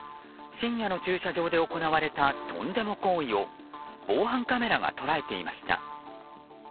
深夜の駐車場で行われたとんでも行為を防犯カメラが捉えていました。